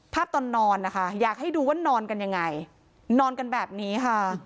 ตอนนอนนะคะอยากให้ดูว่านอนกันยังไงนอนกันแบบนี้ค่ะ